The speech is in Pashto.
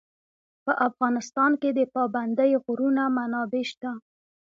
په افغانستان کې د پابندی غرونه منابع شته.